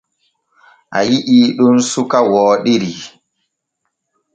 A yi’ii ɗon suka wooɗiri.